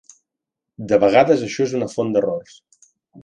De vegades això és una font d'errors.